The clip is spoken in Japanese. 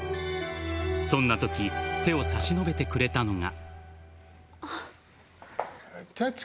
そんなとき、手を差し伸べてくれたのが。